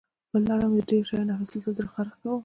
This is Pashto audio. پر لاره مې د ډېرو شیانو اخیستلو ته زړه خارښت کاوه.